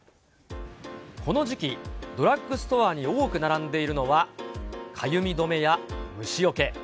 この時期、ドラッグストアに多く並んでいるのは、かゆみ止めや虫よけ。